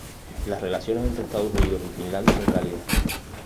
Las relaciones entre Estados Unidos y Finlandia son cálidas.